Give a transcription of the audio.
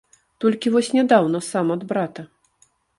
Толькі вось нядаўна сам ад брата.